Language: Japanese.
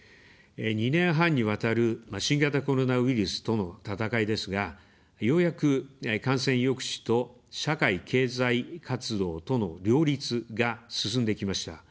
２年半にわたる新型コロナウイルスとの闘いですが、ようやく感染抑止と、社会・経済活動との両立が進んできました。